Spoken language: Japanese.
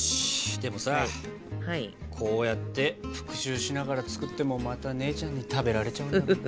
でもさこうやって復習しながら作ってもまた姉ちゃんに食べられちゃうんだろうなあ。